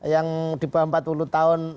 yang di bawah empat puluh tahun